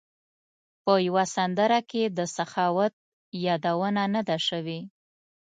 په یوه سندره کې د سخاوت یادونه نه ده شوې.